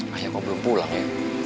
ayah kok belum pulang ya